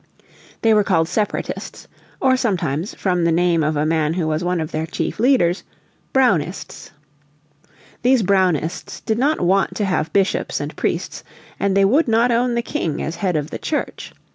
They were called Separatists, or sometimes, from the name of a man who was one of their chief leaders, Brownists. These Brownists did not want to have bishops and priests, and they would not own the King as head of the Church.